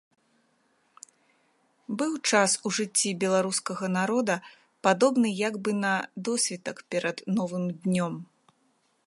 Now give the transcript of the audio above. Быў час у жыцці беларускага народа, падобны як бы на досвітак перад новым днём.